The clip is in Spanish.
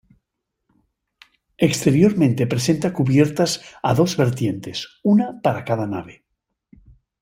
Exteriormente presenta cubiertas a dos vertientes, una para cada nave.